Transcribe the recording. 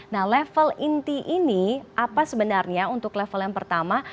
nah level inti ini apa sebenarnya untuk level yang pertama